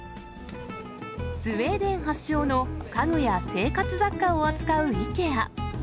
スウェーデン発祥の家具や生活雑貨を扱うイケア。